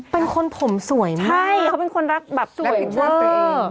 เป็นคนผมสวยมากใช่เขาเป็นคนรักแบบสุขภาพ